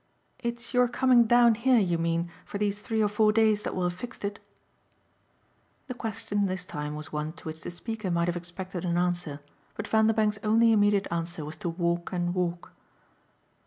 "It's your coming down here, you mean, for these three or four days, that will have fixed it?" The question this time was one to which the speaker might have expected an answer, but Vanderbank's only immediate answer was to walk and walk.